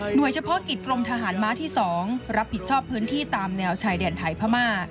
โดยเฉพาะกิจกรมทหารม้าที่๒รับผิดชอบพื้นที่ตามแนวชายแดนไทยพม่า